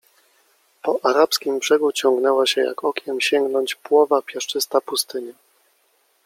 Po arabskim brzegu ciągnęła się jak okiem sięgnąć płowa, piaszczysta pustynia.